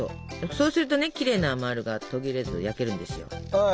そうするとねきれいなまるが途切れず焼けるんですよ。